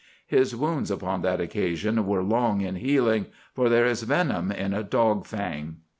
His wounds upon that occasion were long in healing, for there is venom in a dog fang.